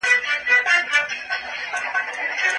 په لاس خط لیکل سوی اصلي سند په اسانۍ نه بدلیږي.